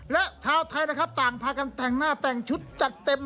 และชาวไทยนะครับต่างพากันแต่งหน้าแต่งชุดจัดเต็ม